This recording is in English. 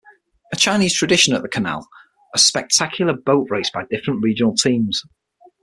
A Chinese tradition at the canal, a spectacular boat race by different regional teams.